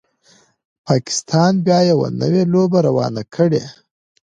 پاکستان بیا یوه نوي لوبه روانه کړي